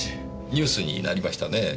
ニュースになりましたねえ。